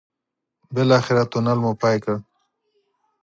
بالاخره تونل مو پای کړ.